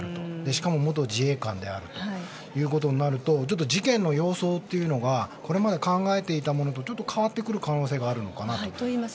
しかも元自衛官であるということになると事件の様相というのがこれまで考えていたものとちょっと変わってくる可能性があるのかなと。